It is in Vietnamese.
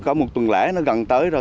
có một tuần lễ nó gần tới rồi